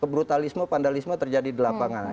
brutalisme pandalisme terjadi di lapangan